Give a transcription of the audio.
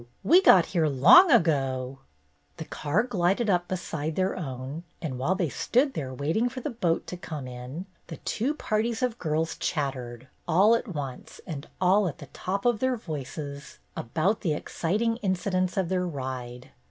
We got here long ago !" The car glided up beside their own, and while they stood there waiting for the boat to come in, the two parties of girls chattered, all at once and all at the top of their voices, about the exciting incidents of their ride.